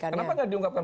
kenapa nggak diungkapkan